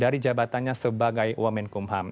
dari jabatannya sebagai uwamen kumham